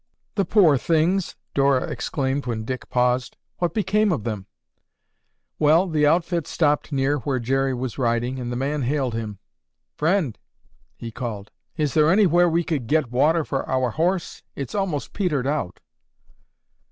"The poor things!" Dora exclaimed when Dick paused. "What became of them?" "Well, the outfit stopped near where Jerry was riding and the man hailed him. 'Friend,' he called, 'is there anywhere we could get water for our horse? It's most petered out.